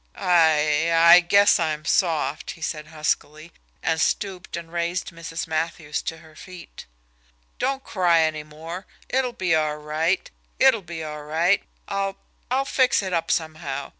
"I I guess I'm soft," he said huskily, and stooped and raised Mrs. Matthews to her feet. "Don't cry any more. It'll be all right it'll be all right. I'll I'll fix it up somehow.